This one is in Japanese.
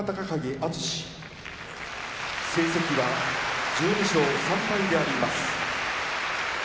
景渥成績は１２勝３敗であります。